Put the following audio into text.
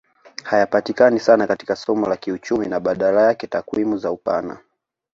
Hayapatikani sana katika somo la kiuchumi na badala yake takwimu za upana